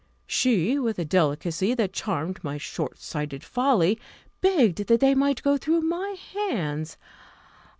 She, with a delicacy that charmed my short sighted folly, begged that they might go through my hands.